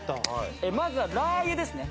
まずはラー油ですね